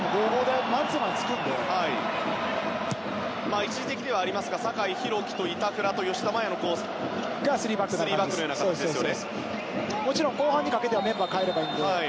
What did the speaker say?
一時的ではありますが酒井と板倉と吉田が３バックのような形ですよね。